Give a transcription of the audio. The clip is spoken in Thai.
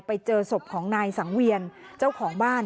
ไปเจอศพของนายสังเวียนเจ้าของบ้าน